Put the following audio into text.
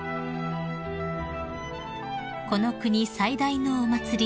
［この国最大のお祭り